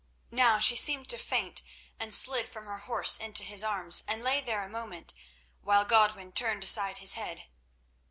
Now she seemed to faint and slid from her horse into his arms, and lay there a moment, while Godwin turned aside his head.